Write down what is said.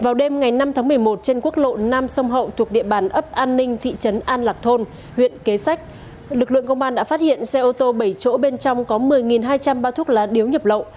lực lượng công an đã phát hiện xe ô tô bảy chỗ bên trong có một mươi hai trăm linh ba thuốc lá điếu nhập lộ